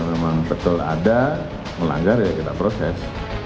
memang betul ada melanggar ya kita proses